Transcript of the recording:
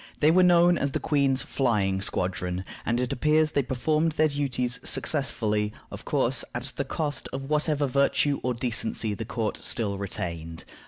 They were known as the Queen's Flying Squadron, and it appears they performed their duties successfully; of course, at the cost of whatever virtue or decency the court still retained.